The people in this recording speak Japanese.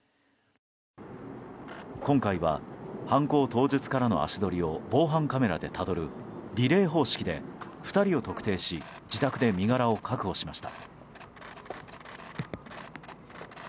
今回は、犯行当日からの足取りを防犯カメラでたどるリレー方式で２人を特定し自宅で身柄を確保しました。